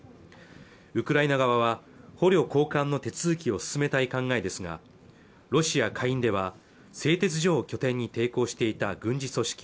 ウクライナ側は捕虜交換の手続きを進めたい考えですがロシア下院では製鉄所を拠点に抵抗していた軍事組織